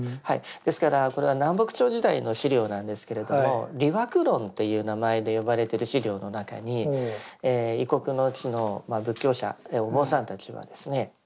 ですからこれは南北朝時代の資料なんですけれども「理惑論」っていう名前で呼ばれてる資料の中に異国の地の仏教者お坊さんたちはですね